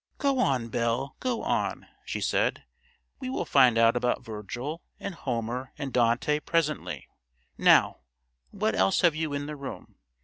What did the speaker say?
"Go on, Belle, go on," she said; "we will find out about Virgil and Homer and Dante presently. Now, what else have you in the room?